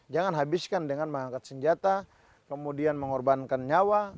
jangan habiskan dengan mengangkat senjata kemudian mengorbankan nyawa